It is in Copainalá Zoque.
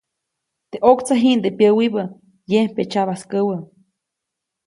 Teʼ ʼoktsaʼ jiʼndeʼe pyäwibä, yembe tsyabaskäwä.